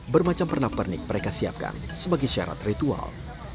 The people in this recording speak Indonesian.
bermacam pernak pernik mereka siapkan sebagai syarat ritual